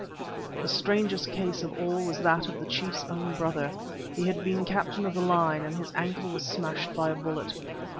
The strangest case of all was that of the chief's own brother. He had been captain of the line, and his ankle was smashed by a bullet.